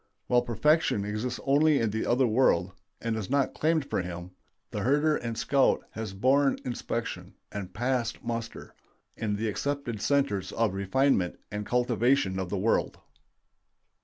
While perfection exists only in the other world, and is not claimed for him, the herder and scout has borne inspection, and passed muster, in the accepted centers of refinement and cultivation of the world.